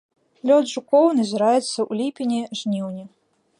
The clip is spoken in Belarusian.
Лёт жукоў назіраецца ў ліпені-жніўні.